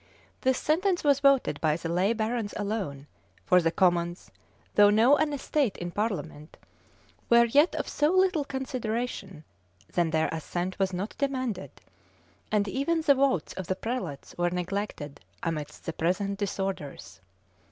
[] This sentence was voted by the lay barons alone; for the commons, though now an estate in parliament, were yet of so little consideration, that their assent was not demanded; and even the votes of the prelates were neglected amidst the present disorders.